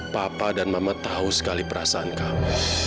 papa dan mama tahu sekali perasaan kamu